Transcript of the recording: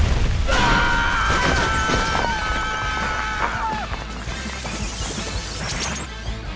ああ。